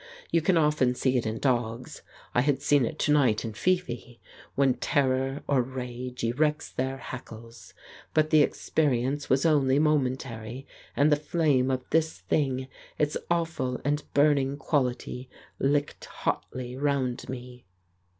You can often see it in dogs (I had seen it to night in Fifi) when terror or rage erects their hackles. But the experience was only momentary, and the flame of this thing, its awful and burning quality, licked hotly round me.